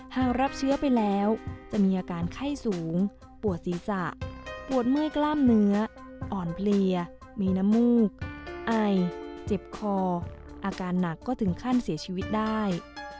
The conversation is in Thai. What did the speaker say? หากรับเชื้อไปแล้วจะมีอาการไข้สูงปวดศีรษะปวดเมื่อยกล้ามเนื้ออ่อนเพลียมีน้ำมูกไอเจ็บคออาการหนักก็ถึงขั้นเสียชีวิตได้